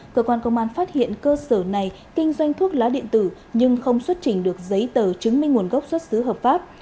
cơ quan công an phát hiện cơ sở này kinh doanh thuốc lá điện tử nhưng không xuất trình được giấy tờ chứng minh nguồn gốc xuất xứ hợp pháp